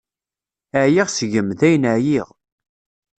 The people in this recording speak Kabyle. Ɛyiɣ seg-m, dayen ɛyiɣ.